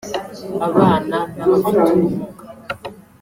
abana n’abafite ubumuga